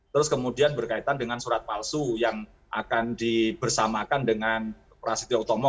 terus kemudian berkaitan dengan surat palsu yang akan dibersamakan dengan prasetya utomo